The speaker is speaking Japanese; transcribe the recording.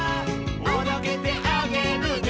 「おどけてあげるね」